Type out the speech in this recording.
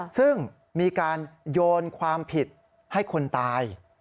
ซึ่งมีการโยนความผิดให้คนตาย